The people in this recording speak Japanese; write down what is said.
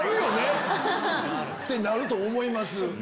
なると思います。